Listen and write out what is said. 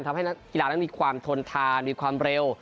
ทำให้นักกีฬาได้มีความทนทานมีความเร็ว